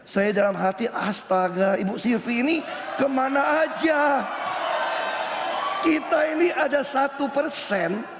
saya dalam hati astaga ibu sirvi ini kemana aja kita ini ada satu persen